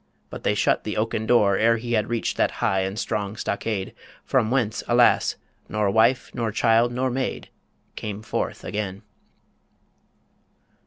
But they shut the oaken door Ere he had reached that high and strong stockade From whence, alas! nor wife, nor child, nor maid Came forth again.